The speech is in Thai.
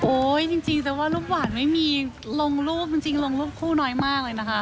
จริงแต่ว่ารูปหวานไม่มีลงรูปจริงลงรูปคู่น้อยมากเลยนะคะ